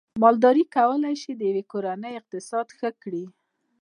مالداري کولای شي د یوې کورنۍ اقتصاد ښه کړي